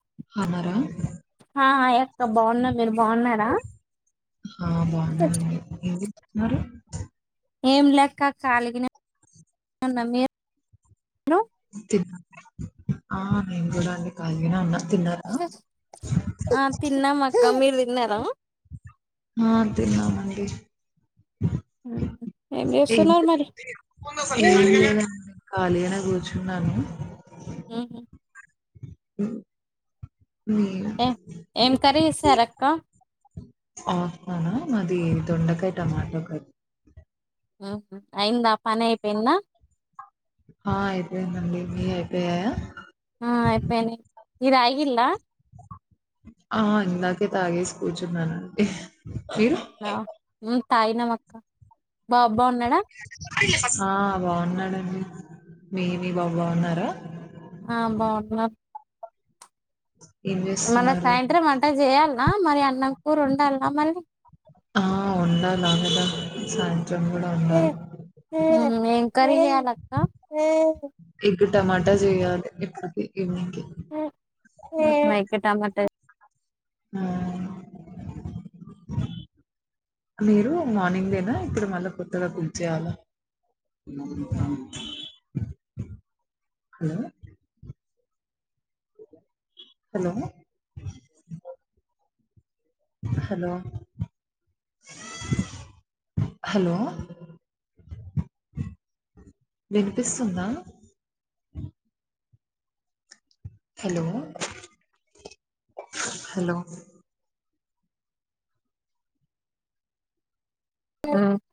హమరా hi అక్క బాగున్నా మీరు బాగున్నారా ఆ బావున్నాను ఏం త్తన్నారు ఏం లేక్క ఖాళిగినే మీ ఆ నేన్ గుడా అండి కాళీగనే ఉన్నా తిన్నారా? ఆ తిన్నాం అక్క మీరు దిన్నారా హ తిన్నామండి ఏం చేస్తున్నారు మరి లేదండీ ఖాళీగనే కూర్చున్నాను ఊహు అ ఏ ఏం కర్రీ చేసారక్క అస్తనా మాది దొండకాయ టమాటో అయిందా పనైపోయిందా ఆ అయిపొయిందండి మీ అయిపొయ్యాయ ఆ అయిపొయ్ నయ్ ఇది ఐహిల్లా ఆ ఇందాకే తాగేసి కూర్చున్నానండి మీరు? అవునా మేం తాగినామక్క ఆ బాగున్నాడండి మీమి బ బాన్నారా ఆ బాగున్నా ఏం మన చేస్తున్నారు? సాయంత్రం అంటా చేయాలనా మరి అన్నం కూరు ఉండాలనా మళ్ళీ ఆ ఉండదగదా సాంత ఎంకవరాల ఎగ్ టమాటా జేయాలి ఇప్పటికి ఈవెనింగ్‌కి. మైకు టమాట ఆ మీరు మార్నింగ్ లేేనా ఇక్కడ మళ్ళా కొత్తగా కూల్చేయాల ఏ హలో హలో హలో వినిపిస్తుందా హలో హలో ఆ